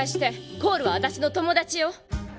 コールは私の友達よ。